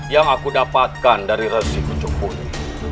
yang aku dapatkan dari resipi cukbuni